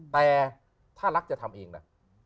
แต่ถ้ารักจะทำเองนะ